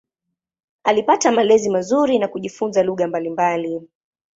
Alipata malezi mazuri na kujifunza lugha mbalimbali.